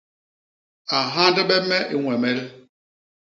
A nhandbe me i ñwemel.